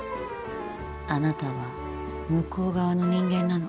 あなたは向こう側の人間なの。